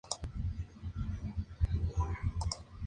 Su postura política fue de izquierda.